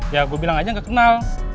ya gue bilang aja gak kenal